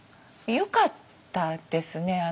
よかったですね。